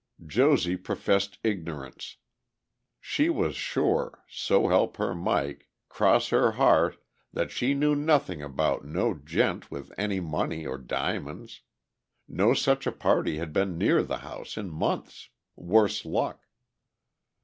Josie professed ignorance. She was sure, so help her Mike, cross her heart, that she knew nothing about no gent with any money or diamonds—no such a party had been near the house in months, worse luck.